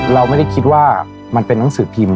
เราไม่ได้คิดว่ามันเป็นหนังสือพิมพ์